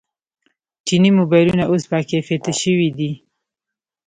چیني موبایلونه اوس باکیفیته شوي دي.